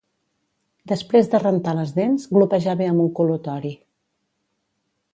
Després de rentar les dents glopejar bé amb un col•lutori